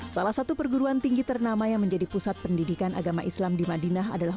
salah satu perguruan tinggi ternama yang menjadi pusat pendidikan agama islam di madinah adalah